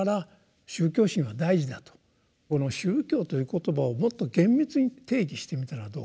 この「宗教」という言葉をもっと厳密に定義してみたらどうかと。